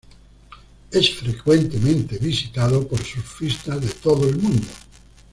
Es frecuentemente visitado por surfistas de todo el mundo.